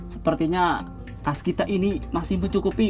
sepertinya tas kita ini masih mencukupi